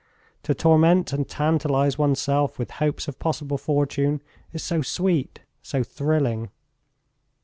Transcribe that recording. To torment and tantalize oneself with hopes of possible fortune is so sweet, so thrilling!